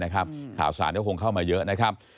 ข่าวสารก็คงเข้ามาเยอะนะครับ